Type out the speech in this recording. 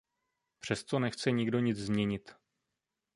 Přesto nechce nikdo nic změnit.